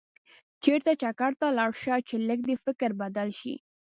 چېرته چکر ته لاړ شه چې لږ دې فکر بدل شي.